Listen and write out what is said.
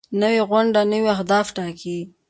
نوې غونډه نوي اهداف ټاکي